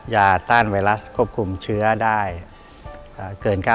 ต้านไวรัสควบคุมเชื้อได้เกิน๙๐